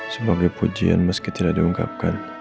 sebagai pujian meski tidak diungkapkan